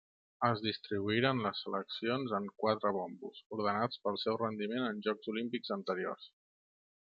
Es distribuïren les seleccions en quatre bombos, ordenats pel seu rendiment en Jocs Olímpics anteriors.